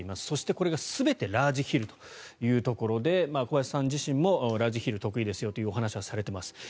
そして、それが全てラージヒルというところで小林さん自身もラージヒル得意ですよというお話をされています。